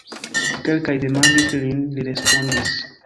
Kelkaj demandis lin, li respondis.